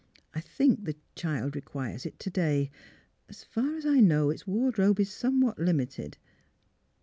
I think the child re quires it to day. As far as I know, its wardrobe is somewhat limited."